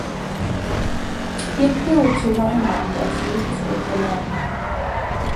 He appealed to Rhinelander to leave his daughter alone.